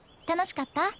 楽しかった？